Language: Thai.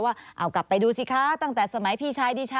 ว่าเอากลับไปดูสิคะตั้งแต่สมัยพี่ชายดิฉัน